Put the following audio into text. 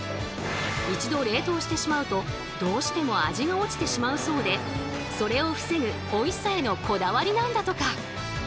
一度冷凍してしまうとどうしても味が落ちてしまうそうでそれを防ぐおいしさへのこだわりなんだとか。